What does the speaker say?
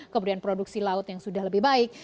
kemudian produksi laut yang sudah lebih baik